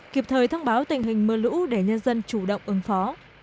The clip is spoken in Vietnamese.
kịp thời thông báo tình hình mưa lũ để nhân dân chủ động ứng phó